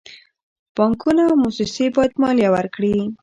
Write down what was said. بانکونه او موسسې باید مالیه ورکړي.